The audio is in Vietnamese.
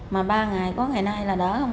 mà ba ngày có ngày nay là đỡ không